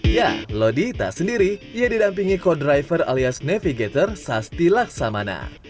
ya lodi tak sendiri ia didampingi co driver alias navigator sasti laksamana